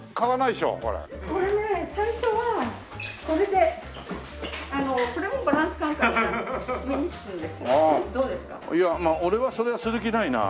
いや俺はそれはする気ないな。